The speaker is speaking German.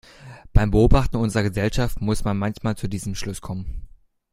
Beim Beobachten unserer Gesellschaft muss man manchmal zu diesem Schluss kommen.